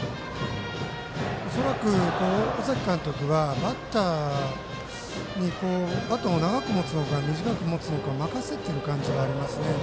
恐らく尾崎監督はバッターにバットを長く持つのか短く持つのか任せている感じがありますね。